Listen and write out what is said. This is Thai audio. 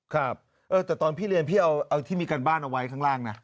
ครับเออแต่ตอนพี่เรียนพี่เอาที่มีการบ้านเอาไว้ข้างล่างนะ